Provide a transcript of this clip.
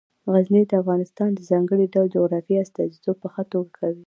غزني د افغانستان د ځانګړي ډول جغرافیې استازیتوب په ښه توګه کوي.